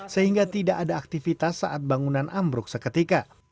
sehingga tidak ada aktivitas saat bangunan ambruk seketika